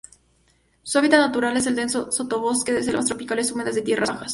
Su hábitat natural es el denso sotobosque de selvas tropicales húmedas de tierras bajas.